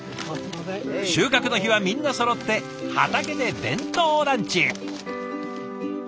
収穫の日はみんなそろって畑で弁当ランチ。